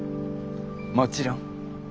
もちろん。